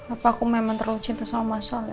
apa aku memang terlalu cinta sama masalah ya